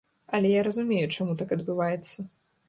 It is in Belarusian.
Але я разумею, чаму так адбываецца.